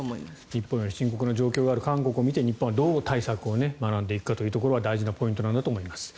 日本より深刻な状況がある韓国を見て日本はどう対策を学んでいくかが大事なポイントなんだと思います。